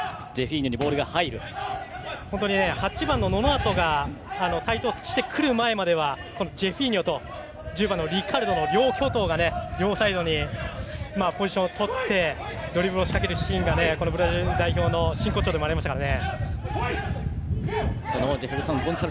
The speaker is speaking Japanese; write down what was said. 本当に８番の選手が台頭してくる前まではジェフィーニョとリカルドの両巨頭が両サイドにポジションをとってドリブルを仕掛けるシーンがブラジル代表の真骨頂でもありましたからね。